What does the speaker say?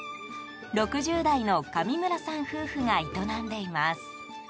６０代の上村さん夫婦が営んでいます。